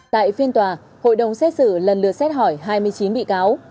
tại phiên tòa hội đồng xét xử lần lượt xét hỏi hai mươi chín bị cáo